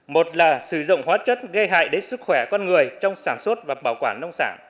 một là sử dụng hóa chất gây hại đến sức khỏe con người trong sản xuất